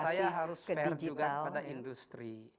saya harus fair juga pada industri